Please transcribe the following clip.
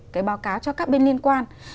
cái báo cáo cho các bên liên quan